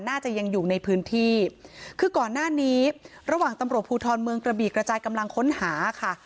น่าจะยังอยู่ในพื้นที่คือก่อนหน้านี้ระหว่างตำรวจภูทรเมืองกระบีกระจายกำลังค้นหาค่ะ